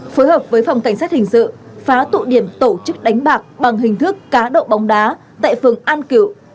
phối hợp với phòng cảnh sát hình sự phá tụ điểm tổ chức đánh bạc bằng hình thức cá độ bóng đá tại phường an cựu